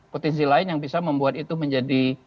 potensi lain yang bisa membuat itu menjadi